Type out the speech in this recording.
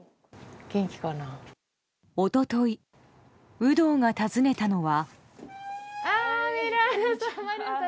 一昨日、有働が訪ねたのは。